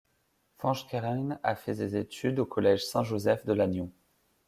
Fañch Kerrain a fait ses études au collège Saint-Joseph de Lannion.